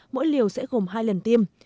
mỗi liều sẽ gồm hai lần tiêm